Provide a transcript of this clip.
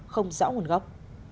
không rõ nguồn gốc